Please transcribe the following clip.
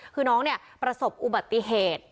คือน้องเนี่ยประสบอุบัติเหตุ